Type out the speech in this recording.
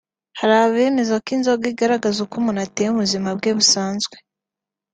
Hari abemeza ko inzoga igaragaza uko umuntu ateye mu buzima bwe busanzwe